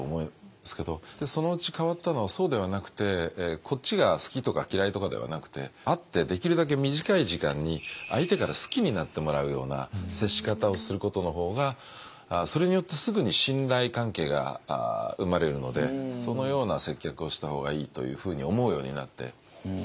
そのうち変わったのはそうではなくてこっちが好きとか嫌いとかではなくて会ってできるだけ短い時間に相手から好きになってもらうような接し方をすることの方がそれによってすぐに信頼関係が生まれるのでそのような接客をした方がいいというふうに思うようになって。